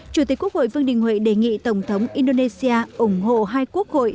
chủ tịch quốc hội vương đình huệ đề nghị tổng thống indonesia ủng hộ hai quốc hội